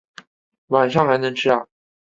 晚上还能吃啊